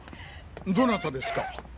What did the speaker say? どなたですか？